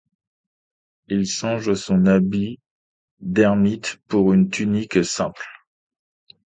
Il change son habit d'ermite pour une tunique simple.